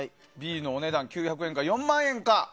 Ｂのお値段９００円か４万円か。